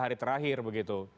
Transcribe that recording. hari terakhir begitu